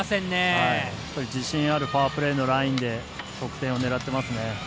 自信あるパワープレーのラインで得点を狙ってますね。